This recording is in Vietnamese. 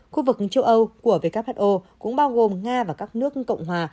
khu vực châu âu của who cũng bao gồm nga và các nước cộng hòa